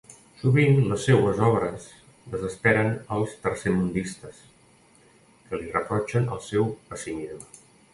Sovint, les seues obres desesperen els tercermundistes, que li reprotxen el seu pessimisme.